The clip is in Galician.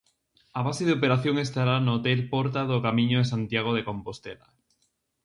A base de operación estará no Hotel Porta do Camiño de Santiago de Compostela.